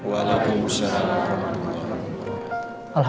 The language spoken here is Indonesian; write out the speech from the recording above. waalaikumsalam warahmatullahi wabarakatuh